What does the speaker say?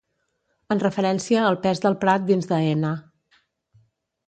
en referència al pes del Prat dins d'Aena